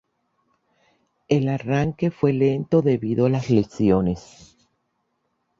El arranque fue lento debido a las lesiones.